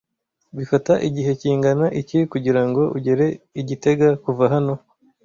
Bifata igihe kingana iki kugirango ugere i gitega kuva hano?